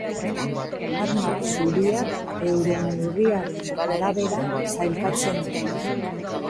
Arma zuriak, euren neurriaren arabera sailkatzen dira.